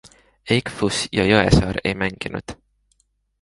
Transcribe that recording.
Eichfuss ja Jõesaar ei mänginud.